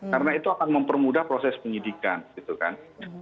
karena itu akan mempermudah proses penyidikan gitu kan